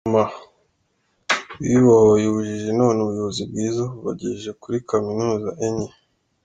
Ngoma: Bibohoye ubujiji none ubuyobozi bwiza bubagejeje kuri kaminuza enye.